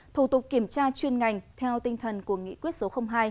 thủ tục kiểm tra chuyên ngành theo tinh thần của nghị quyết số hai